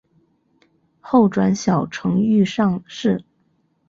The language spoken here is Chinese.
后转小承御上士。